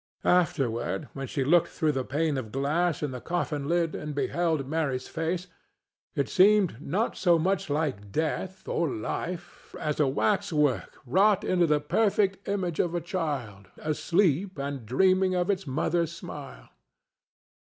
Afterward, when she looked through the pane of glass in the coffin lid and beheld Mary's face, it seemed not so much like death or life as like a wax work wrought into the perfect image of a child asleep and dreaming of its mother's smile.